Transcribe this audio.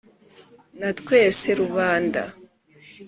na twese rubanda